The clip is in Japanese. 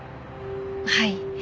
はい。